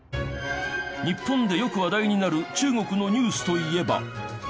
日本でよく話題になる中国のニュースといえば。